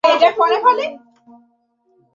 দেব-মানবের এতটা ঘনিষ্ঠতা পরবর্তী সময়ে আর সম্ভব হয়নি।